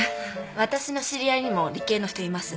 私の知り合いにも理系の人います